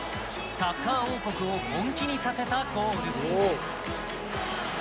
サッカー王国を本気にさせたゴール。